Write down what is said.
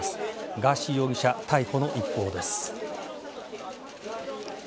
ガーシー容疑者、逮捕の一報です。